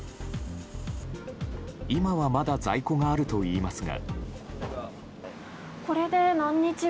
今はまだ在庫があるといいますが。